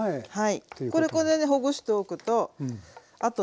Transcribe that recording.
はい。